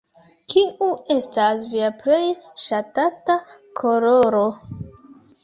Kiu estas via plej ŝatata koloro?